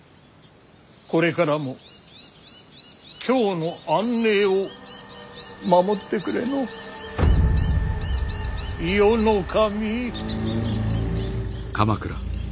これからも京の安寧を守ってくれの伊予守。